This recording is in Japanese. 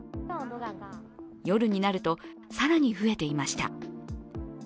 夜になると、更に増えていました。